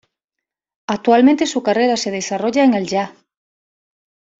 Actualmente su carrera se desarrolla en el jazz.